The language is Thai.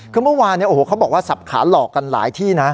คือเมื่อวานเขาบอกว่าสับขาหลอกกันหลายที่นะ